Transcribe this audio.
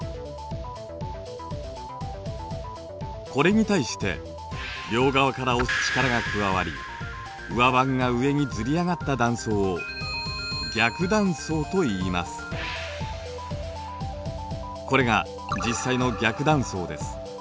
これに対して両側から押す力が加わり上盤が上にずり上がった断層をこれが実際の逆断層です。